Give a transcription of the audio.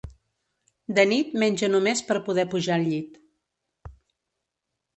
De nit menja només per poder pujar al llit.